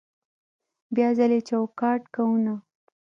بیا ځلې چوکاټ کوونه